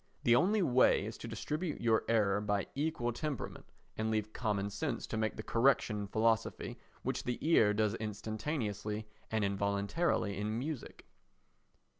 The only way is to distribute your error by equal temperament and leave common sense to make the correction in philosophy which the ear does instantaneously and involuntarily in music.